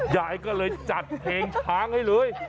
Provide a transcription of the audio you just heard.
ยายก็เลยจัดเพลงช้างให้เลย